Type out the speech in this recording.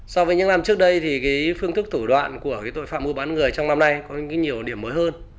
so với những năm trước đây thì phương thức thủ đoạn của tội phạm mua bán người trong năm nay có nhiều điểm mới hơn